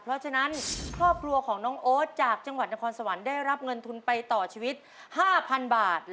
เพราะฉะนั้นครอบครัวของน้องโอ๊ตจากจังหวัดนครสวรรค์ได้รับเงินทุนไปต่อชีวิต๕๐๐๐บาท